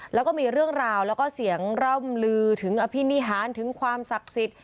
แล้วก็มีเรื่องราวแล้วก็เสียงร่ำลือถึงอภินิหารถึงความศักดิ์สิทธิ์